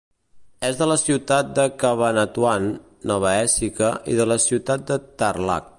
És de la ciutat de Cabanatuan, Nova Ecija i de la ciutat de Tarlac.